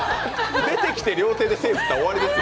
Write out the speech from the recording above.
出てきて両手で手、振ったら終わりですよ。